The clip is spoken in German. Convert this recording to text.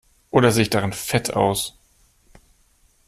Oder sehe ich darin fett aus?